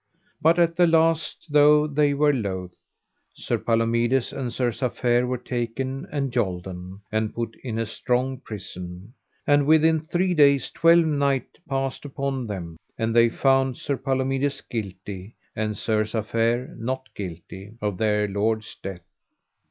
But at the last though they were loath, Sir Palomides and Sir Safere were taken and yolden, and put in a strong prison; and within three days twelve knights passed upon them, and they found Sir Palomides guilty, and Sir Safere not guilty, of their lord's death.